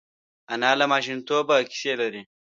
انا له ماشومتوبه کیسې لري